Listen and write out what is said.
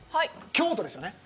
京都ですよね。